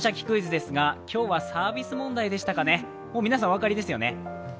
クイズ」ですが、今日はサービス問題でしたかね、もう皆さんお分かりですよね。